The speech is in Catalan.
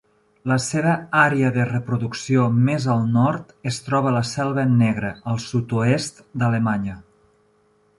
La seva àrea de reproducció més al nord es troba a la Selva Negra, al sud-oest d'Alemanya.